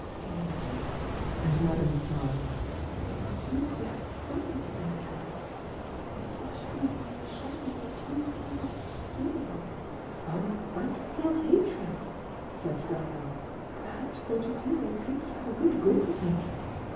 "Dear me!" and Madame smiled— "you speak very strongly, Diana! Especially when you assure me that you cannot 'feel!' " "Oh, I can feel hatred!" said Diana. "That sort of feeling seems to have a good grip of me!